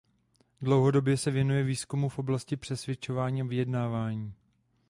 Dlouhodobě se věnuje výzkumu v oblasti přesvědčování a vyjednávání.